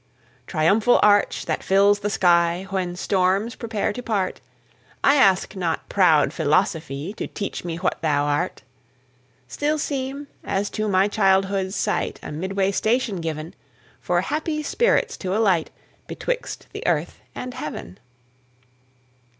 Triumphal arch, that fills the sky When storms prepare to part, I ask not proud Philosophy To teach me what thou art. Still seem, as to my childhood's sight, A midway station given, For happy spirits to alight, Betwixt the earth and heaven.